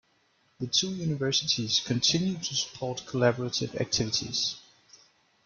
The two Universities continue to support collaborative activities.